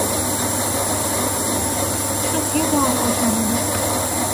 شوخی بارها شنوده